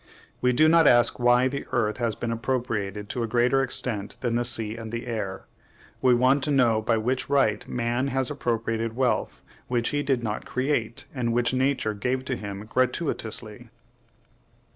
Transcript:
We do not ask why the earth has been appropriated to a greater extent than the sea and the air; we want to know by what right man has appropriated wealth WHICH HE DID NOT CREATE, AND WHICH NATURE GAVE TO HIM GRATUITOUSLY.